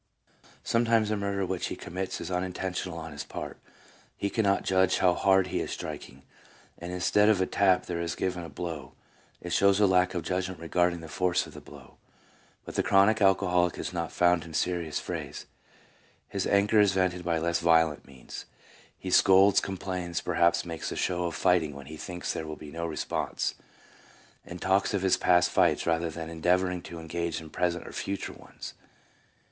Sometimes a murder which he commits is unin tentional on his part. He cannot judge how hard he is striking, and instead of a tap there is given a blow; it shows a lack of judgment regarding the force of the blow. But the chronic alcoholic is not found in serious frays; his anger is vented by less violent means. He scolds, complains, perhaps makes a show of fighting when he thinks there will be no response, and talks of his past fights, rather than endeavouring to engage in present or future ones.